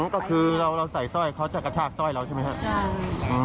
ก็คือเราใส่สร้อยเขาจะกระชากสร้อยเราใช่ไหมครับ